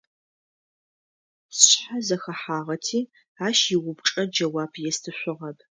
Сшъхьэ зэхэхьагъэти ащ иупчӀэ джэуап естышъугъэп.